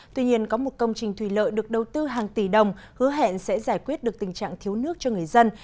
tuy nhiên có một công trình thủy lợi được đầu tư hàng tỷ đồng hứa hẹn sẽ giải quyết được tình trạng thiếu nước cho người dân